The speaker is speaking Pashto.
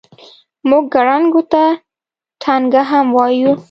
موږ ګړنګو ته ټنګه هم وایو.